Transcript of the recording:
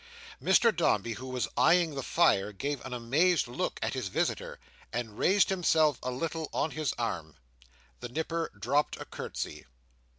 Mr Dombey, who was eyeing the fire, gave an amazed look at his visitor, and raised himself a little on his arm. The Nipper dropped a curtsey.